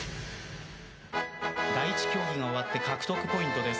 第１競技が終わっての獲得ポイントです。